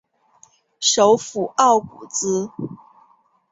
首府奥古兹。